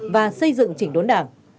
và xây dựng chỉnh đốn đảng